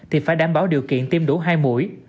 thì phải đảm bảo điều kiện tiêm đủ hai mũi